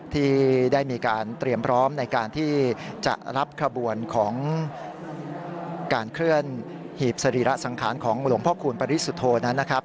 ที่ได้มีการเตรียมพร้อมในการที่จะรับขบวนของการเคลื่อนหีบสรีระสังขารของหลวงพ่อคูณปริสุทธโธนั้นนะครับ